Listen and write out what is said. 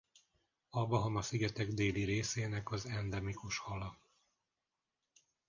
A Bahama-szigetek déli részének az endemikus hala.